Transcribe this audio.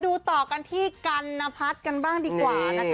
ดูต่อกันที่กันนพัฒน์กันบ้างดีกว่านะคะ